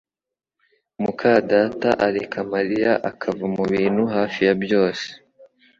muka data areka Mariya akava mubintu hafi ya byose